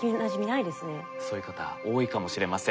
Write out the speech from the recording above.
そういう方多いかもしれません。